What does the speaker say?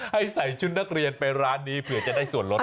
ให้ใส่ชุดนักเรียนไปร้านนี้เผื่อจะได้ส่วนลด